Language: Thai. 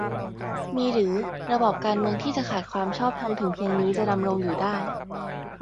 มีหรือ ระบอบการเมืองที่ขาดความชอบธรรมถึงเพียงนี้จะดำรงอยู่ได้